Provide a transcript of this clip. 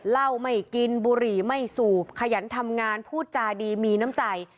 เหล้าไม่กินบุหรี่ไม่สูบขยันทำงานพูดจาดีมีน้ำใจ